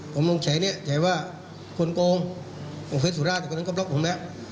ผมลงใช้เนี่ยใช้ว่าคนโกงลงเฟซสุราแต่คนนั้นก็บล็อกผมแล้ว